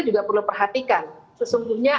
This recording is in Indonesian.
juga perlu perhatikan sesungguhnya